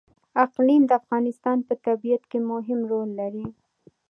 اقلیم د افغانستان په طبیعت کې مهم رول لري.